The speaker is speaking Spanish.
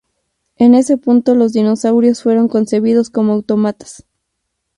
En ese punto los dinosaurios fueron concebidos como autómatas.